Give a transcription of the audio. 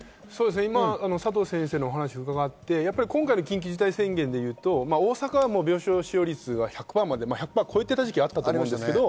佐藤先生の話を伺って、今回の緊急事態宣言でいうと大阪が病床使用率は１００％を超えていた時期があると思うんですけれども。